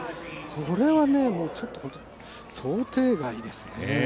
これはちょっと本当に、想定外ですね。